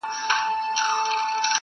ترې به سترگه ايستل كېږي په سيخونو٫